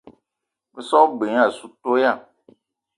Be so g-beu gne assou toya.